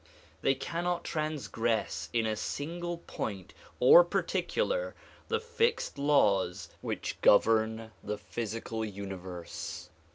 They cannot transgress in a single point or particular the fixed laws which govern the physical universe.